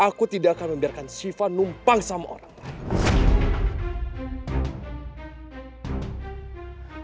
aku tidak akan membiarkan siva numpang sama orang lain